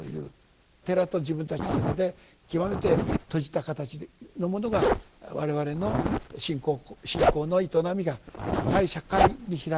寺と自分たちだけで極めて閉じた形のものが我々の信仰の営みが対社会に開かれていく。